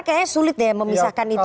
karena kayaknya sulit ya memisahkan itu